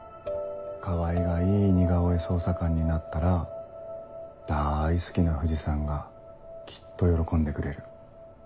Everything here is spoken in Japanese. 川合がいい似顔絵捜査官になったらだい好きな藤さんがきっと喜んでくれる。